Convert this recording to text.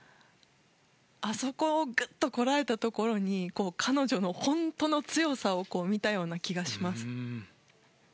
あそこをぐっとこらえたところに彼女の本当の強さを見たような気がします。